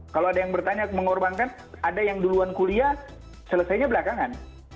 kalau ada yang bertanya mengorbankan ada yang duluan kuliah selesainya belakangan